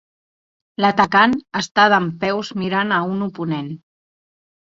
L'atacant està dempeus mirant a un oponent.